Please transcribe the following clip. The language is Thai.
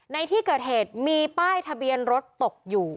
ในที่เกิดเหตุมีป้ายทะเบียนรถตกอยู่